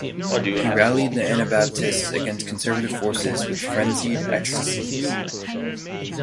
He rallied the Anabaptists against conservative forces with "frenzied ecstasies".